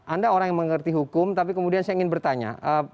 anda orang yang mengerti hukum tapi kemudian saya ingin bertanya